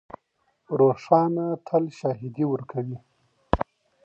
روښانه شاهدي ورکوي تل